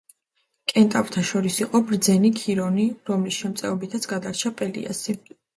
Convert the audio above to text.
კენტავრთა შორის იყო ბრძენი ქირონი, რომლის შემწეობითაც გადარჩა პელიასი.